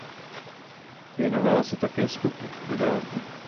Věnovala se také skoku do dálky.